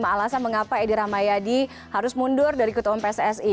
lima alasan mengapa edy ramayadi harus mundur dari ketemuan pssi